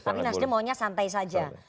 tapi nasdem maunya santai saja